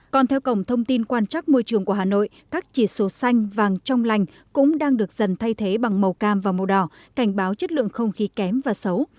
còn theo cổng thông tin quan trắc môi trường của hà nội các chỉ số xanh vàng trong lành cũng đang được dần thay thế bằng màu cam và màu đỏ cảnh báo chất lượng không khí kém và xấu